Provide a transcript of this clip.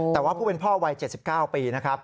แต่ว่าผู้เป็นพ่อวัย๗๙ปีนะครับ